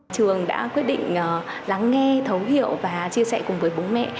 trường đã quyết định lắng nghe thấu hiểu và chia sẻ cùng với bố mẹ